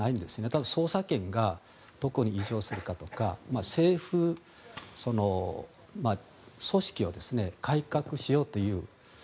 ただ、捜査権がどこに移譲するかとか政府組織を改革しようという。